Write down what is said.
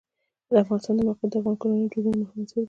د افغانستان د موقعیت د افغان کورنیو د دودونو مهم عنصر دی.